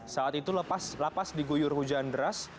saat itu lapas diguyur hujan deras